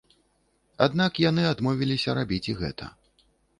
Аднак яны адмовіліся рабіць і гэта.